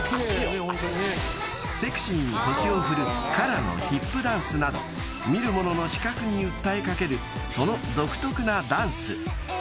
［セクシーに腰を振るＫＡＲＡのヒップダンスなど見る者の視覚に訴えかけるその独特なダンス］